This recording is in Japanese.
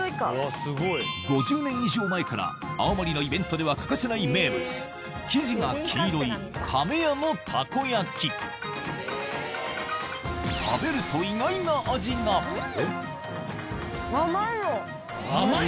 ５０年以上前から青森のイベントでは欠かせない名物生地が黄色い亀屋のたこ焼き食べると甘い？